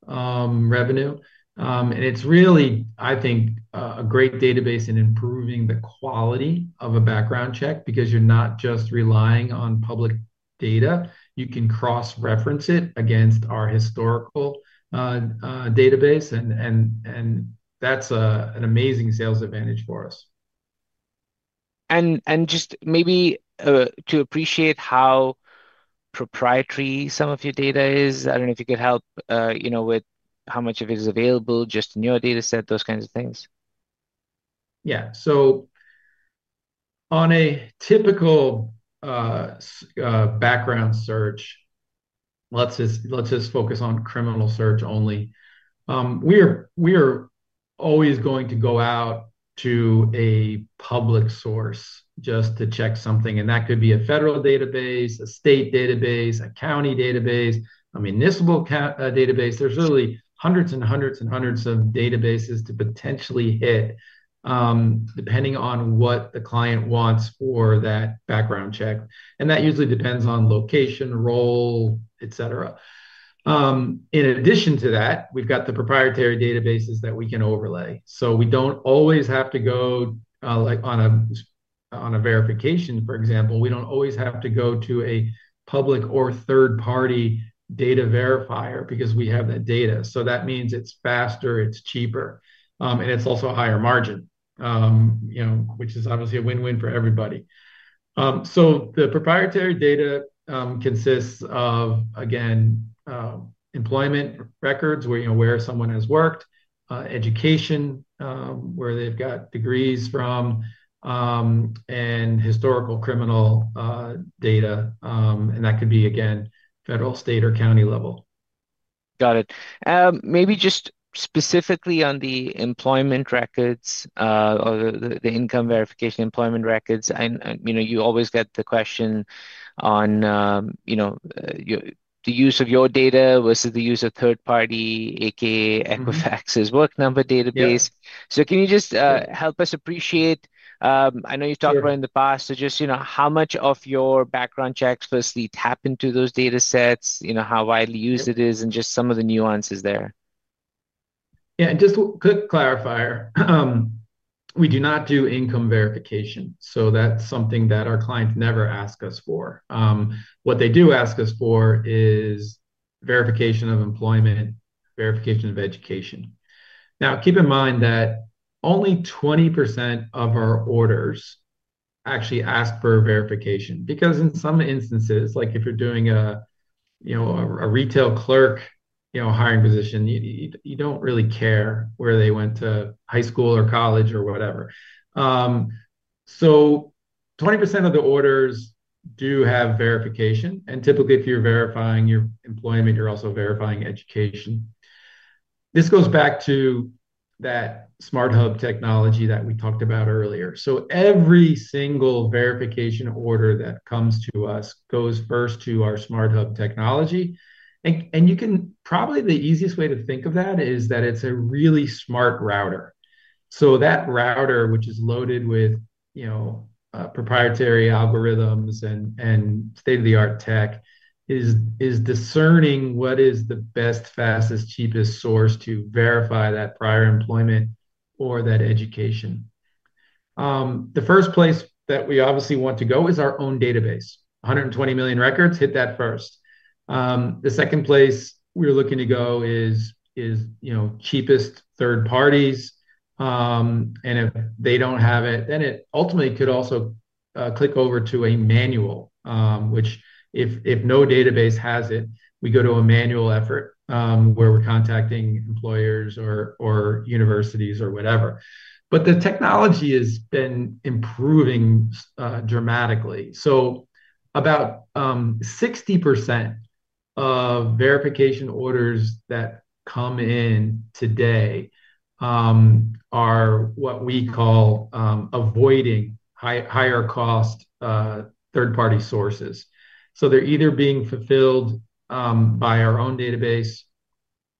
revenue. And it's really, I think, a great database in improving the quality of a background check because you're not just relying on public data. You can cross reference it against our historical database, and and and that's an amazing sales advantage for us. And and just maybe to appreciate how proprietary some of your data is, I don't if you could help, you know, with how much of it is available just in your dataset, those kinds of things. Yeah. So on a typical background search, let's just let's just focus on criminal search only. We're we're always going to go out to a public source just to check something, and that could be a federal database, a state database, a county database, a municipal database. There's really hundreds and hundreds and hundreds of databases to potentially hit depending on what the client wants for that background check. And that usually depends on location, role, etcetera. In addition to that, we've got the proprietary databases that we can overlay. So we don't always have to go, like, on a on a verification, for example. We don't always have to go to a public or third party data verifier because we have that data. So that means it's faster, it's cheaper, and it's also a higher margin, you know, which is obviously a win win for everybody. So the proprietary data, consists of, again, employment records where, you know, where someone has worked, education, where they've got degrees from, and historical criminal, data, and that could be, again, federal, state, or county level. Got it. Maybe just specifically on the employment records or the the income verification employment records, and and, you know, you always get the question on, you know, the use of your data versus the use of third party aka Equifax's work number database. So can you just, help us appreciate, I know you talked about in the past, so just, you know, how much of your background checks firstly tap into those datasets, you know, how widely used it is, and just some of the nuances there. Yeah. And just a quick clarifier. We do not do income verification, so that's something that our clients never ask us for. What they do ask us for is verification of employment, verification of education. Now keep in mind that only 20% of our orders actually ask for verification. Because in some instances, like, you're doing a, you know, a a retail clerk, you know, hiring position, you you you don't really care where they went to high school or college or whatever. So 20% of the orders do have verification. And, typically, if you're verifying your employment, you're also verifying education. This goes back to that smart hub technology that we talked about earlier. So every single verification order that comes to us goes first to our smart hub technology. And and you can probably the easiest way to think of that is that it's a really smart router. So that router, which is loaded with, you know, proprietary algorithms and and state of the art tech, is is discerning what is the best, fastest, cheapest source to verify that prior employment or that education. The first place that we obviously want to go is our own database. A 120,000,000 records, hit that first. The second place we're looking to go is is, you know, cheapest third parties. And if they don't have it, then it ultimately could also click over to a manual, which if if no database has it, we go to a manual effort where we're contacting employers or or universities or whatever. But the technology has been improving dramatically. So about 60% of verification orders that come in today are what we call avoiding high higher cost third party sources. So they're either being fulfilled by our own database,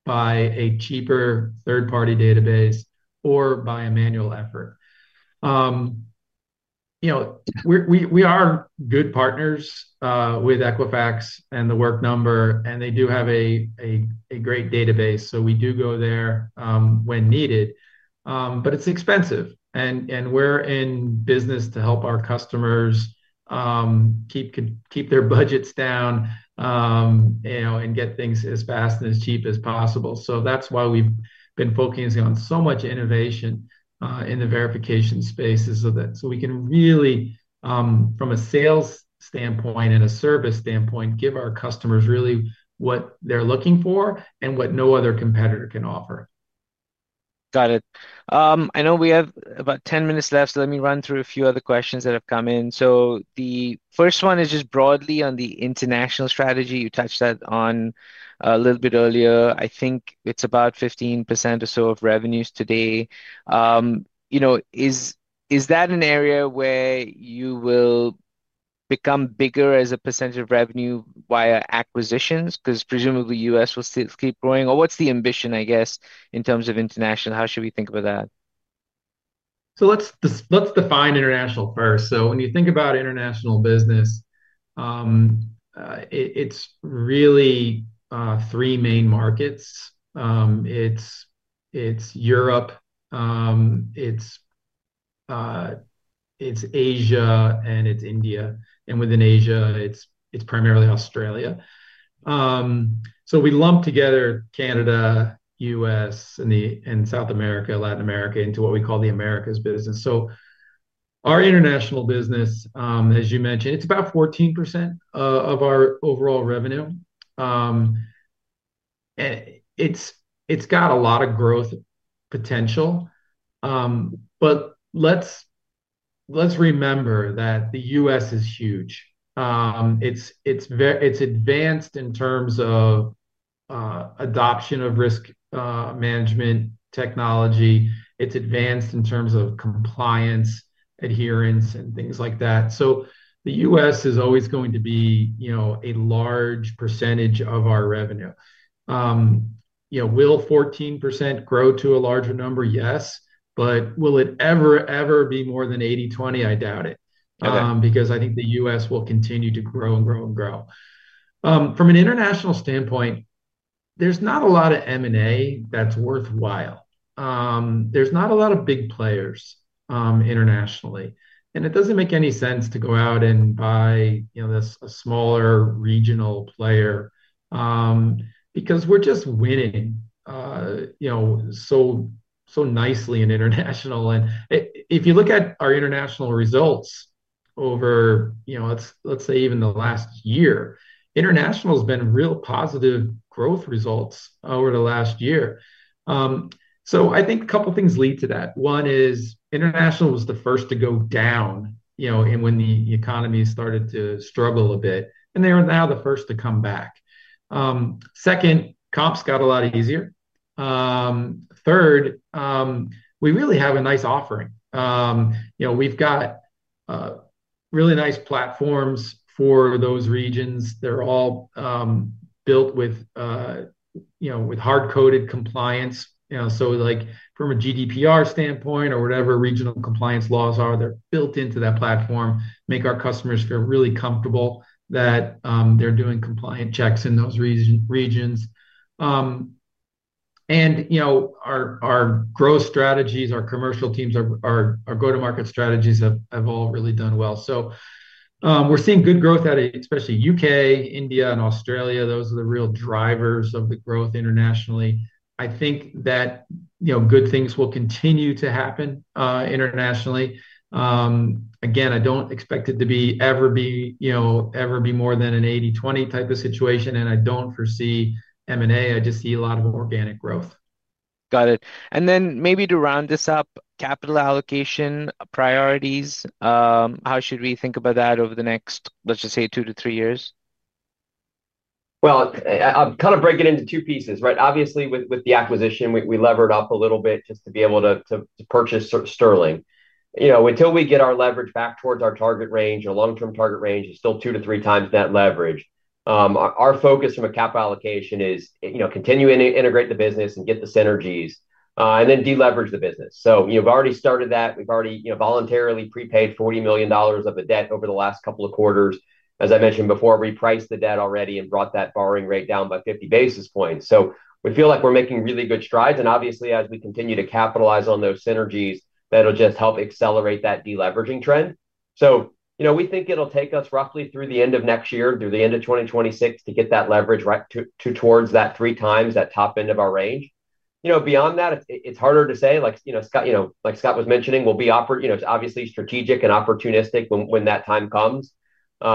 by a cheaper third party database, or by a manual effort. You know, we're we we are good partners with Equifax and the work number, and they do have a a a great database. So we do go there when needed, but it's expensive. And and we're in business to help our customers keep keep their budgets down, you know, and get things as fast and as cheap as possible. So that's why we've been focusing on so much innovation in the verification spaces of it. So we can really, from a sales standpoint and a service standpoint, give our customers really what they're looking for and what no other competitor can offer. Got it. I know we have about ten minutes left, so let me run through a few other questions that have come in. So the first one is just broadly on the international strategy. You touched that on a little bit earlier. I think it's about 15% or so of revenues today. You know, is is that an area where you will become bigger as a percentage of revenue via acquisitions? Because presumably, US will still keep growing. Or what's the ambition, I guess, in terms of international? How should we think about that? So let's let's define international first. So when you think about international business, it it's really three main markets. It's it's Europe. It's it's Asia, and it's India. And within Asia, it's it's primarily Australia. So we lump together Canada, US, and the and South America, Latin America into what we call the Americas business. So our international business, as you mentioned, it's about 14% of our overall revenue. It's it's got a lot of growth potential, but let's let's remember that The US is huge. It's it's it's advanced in terms of adoption of risk management technology. It's advanced in terms of compliance, adherence, and things like that. So The US is always going to be, you know, a large percentage of our revenue. You know, will 14% grow to a larger number? Yes. But will it ever ever be more than eighty twenty? I doubt it. Okay. Because I think The US will continue to grow and grow and grow. From an international standpoint, there's not a lot of m and a that's worthwhile. There's not a lot of big players internationally, and it doesn't make any sense to go out and buy, you know, this a smaller regional player because we're just winning, you know, so so nicely in international. And if you look at our international results over, you know, let's let's say even the last year, international has been real positive growth results over the last year. So I think couple things lead to that. One is international was the first to go down, you know, in when the economy started to struggle a bit, and they are now the first to come back. Second, comps got a lot easier. Third, we really have a nice offering. You know, we've got really nice platforms for those regions. They're all built with, you know, with hard coded compliance. You know? So, like, from a GDPR standpoint or whatever regional compliance laws are, they're built into that platform, make our customers feel really comfortable that they're doing compliant checks in those region regions. And, you know, our our growth strategies, our commercial teams, our our our go to market strategies have have all really done well. So we're seeing good growth at it, especially UK, India, and Australia. Those are the real drivers of the growth internationally. I think that, you know, good things will continue to happen internationally. Again, I don't expect it to be ever be, you know, ever be more than an eighty twenty type of situation, and I don't foresee m and a. I just see a lot of organic growth. Got it. And then maybe to round this up, capital allocation priorities, how should we think about that over the next, let's just say, two to three years? Well, I'll kinda break it into two pieces. Right? Obviously, with with the acquisition, we we levered up a little bit just to be able to to to purchase Sterling. You know, until we get our leverage back towards our target range, our long term target range is still two to three times net leverage. Our focus from a capital allocation is, you know, continuing to integrate the business and get the synergies and then deleverage the business. So we've already started that. We've already, you know, voluntarily prepaid $40,000,000 of the debt over the last couple of quarters. As I mentioned before, we priced the debt already and brought that borrowing rate down by 50 basis points. So we feel like we're making really good strides. And, obviously, as we continue to capitalize on those synergies, that'll just help accelerate that deleveraging trend. So, you know, we think it'll take us roughly through the end of next year, through the 2026 to get that leverage right to to towards that three times, that top end of our range. You know, beyond that, it's it's harder to say. Like, you know, Scott, you know, like Scott was mentioning, we'll be offered you know, it's obviously strategic and opportunistic when when that time comes. You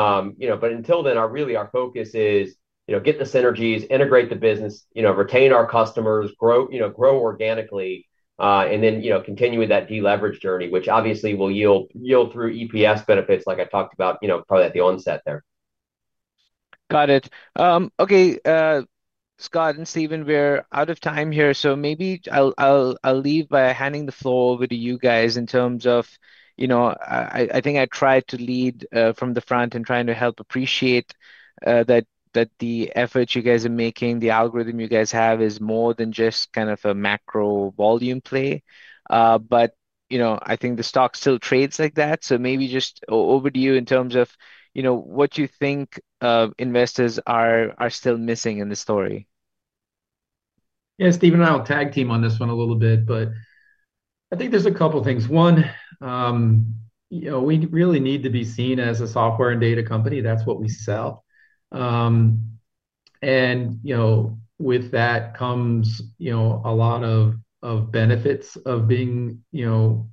know? But until then, our really, our focus is, know, get the synergies, integrate the business, you know, retain our customers, grow, you know, grow organically, and then, you know, continue with that deleverage journey, which obviously will yield yield through EPS benefits like I talked about, you know, probably at the onset there. Got it. Okay. Scott and Steven, we're out of time here. So maybe I'll I'll I'll leave by handing the floor over to you guys in terms of, you know I I think I tried to lead, from the front and trying to help appreciate, that the efforts you guys are making, the algorithm you guys have is more than just kind of a macro volume play. But, you know, I think the stock still trades like that. So maybe just over to you in terms of, you know, what you think investors are are still missing in the story. Yeah. Steven and I will tag team on this one a little bit, but I think there's a couple things. One, you know, we really need to be seen as a software and data company. That's what we sell. And, you know, with that comes, you know, a lot of of benefits of being, you know,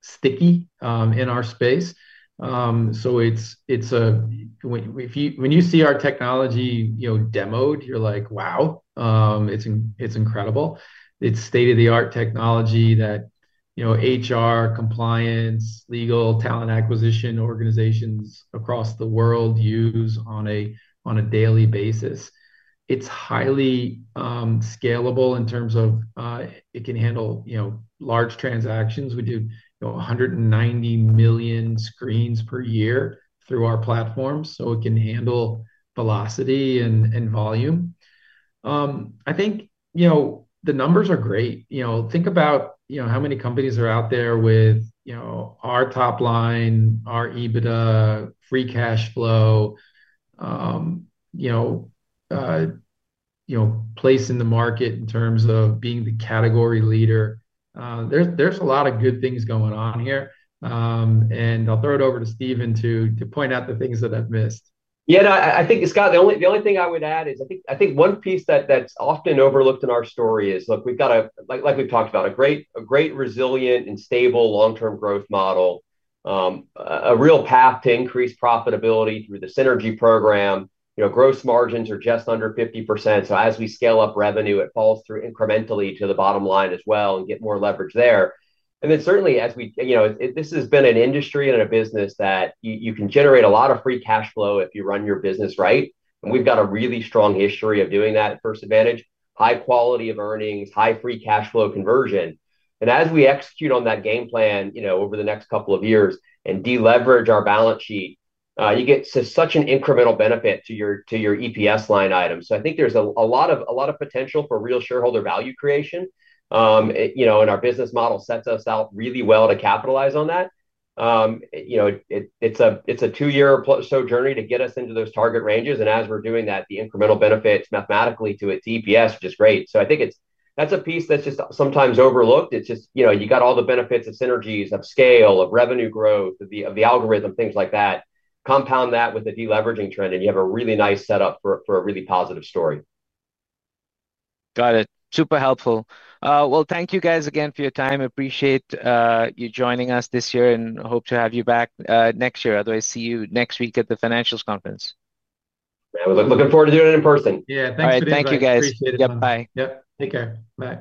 sticky in our space. So it's it's a when when you see our technology, you know, demoed, you're like, wow. It's it's incredible. It's state of the art technology that, you know, HR compliance, legal, talent acquisition organizations across the world use on a on a daily basis. It's highly scalable in terms of it can handle, you know, large transactions. We do, you know, a 190,000,000 screens per year through our platform so it can handle velocity and and volume. I think, you know, the numbers are great. You know, think about, you know, how many companies are out there with, you know, our top line, our EBITDA, free cash flow, you know, you know, place in the market in terms of being the category leader. There's there's a lot of good things going on here, and I'll throw it over to Steven to to point out the things that I've missed. Yeah. No. I I think, Scott, the only the only thing I would add is I think I think one piece that that's often overlooked in our story is, look, we've got a like like we've talked about, a great a great resilient and stable long term growth model, a real path to increase profitability through the synergy program. You know, gross margins are just under 50%. So as we scale up revenue, it falls through incrementally to the bottom line as well and get more leverage there. And then certainly, as we you know, if if this has been an industry and a business that you you can generate a lot of free cash flow if you run your business right, and we've got a really strong history of doing that at First Advantage, high quality of earnings, high free cash flow conversion. But as we execute on that game plan, you know, over the next couple of years and deleverage our balance sheet, you get such an incremental benefit to your to your EPS line item. So I think there's a a lot of a lot of potential for real shareholder value creation, You know? And our business model sets us out really well to capitalize on that. You know, it it's a it's a two year plus so journey to get us into those target ranges. And as we're doing that, the incremental benefits mathematically to a GPS, which is great. So I think it's that's a piece that's just sometimes overlooked. It's just, you know, you got all the benefits of synergies, of scale, of revenue growth, of the of the algorithm, things like that. Compound that with the deleveraging trend, and you have a really nice setup for for a really positive story. Got it. Super helpful. Well, thank you guys again for your time. Appreciate, you joining us this year, and hope to have you back, next year. Otherwise, see you next week at the financials conference. We're looking forward to doing it in person. Yeah. Thanks for the time. Guys. Yep. Bye. Yep. Take care. Bye.